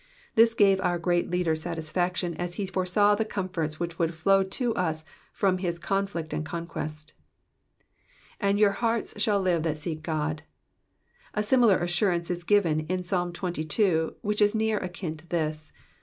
This gave our great leader satisfaction as he foresaw the comforts which would flow to us from his conflict and conquest. ^*^And your heart shall live that seek Ood.'^^ A Blmilar assurance is given in Psalm xxii., which is near akin to this.